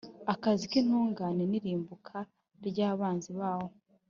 agakiza k’intungane n’irimbuka ry’abanzi bawo.